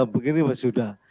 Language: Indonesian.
begini mas yuda